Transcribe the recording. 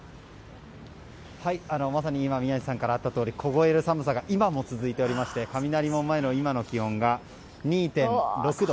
まさに今宮司さんからあったように凍える寒さが今も続いておりまして雷門前の今の気温が２．６度。